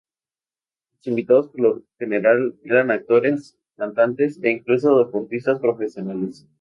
Los invitados por lo general eran actores, cantantes e incluso deportistas profesionales.